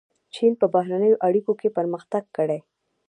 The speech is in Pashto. چین په بهرنیو اړیکو کې پرمختګ کړی.